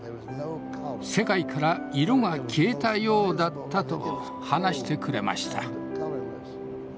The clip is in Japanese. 世界から色が消えたようだったと話してくれました。